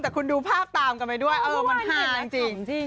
แต่คุณดูภาพตามกันไปด้วยอารมณ์มันฮาจริง